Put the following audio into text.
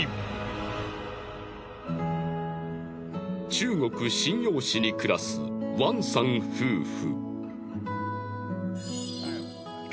中国瀋陽市に暮らす王さん夫婦。